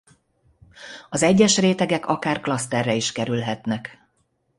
Az egyes rétegek akár klaszterre is kerülhetnek.